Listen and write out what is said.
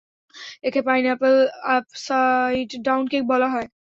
একে pineapple upside down cake বলা হয়।